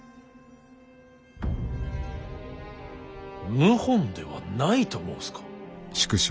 謀反ではないと申すか。